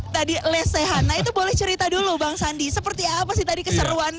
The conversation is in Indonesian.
tadi lesehan nah itu boleh cerita dulu bang sandi seperti apa sih tadi keseruannya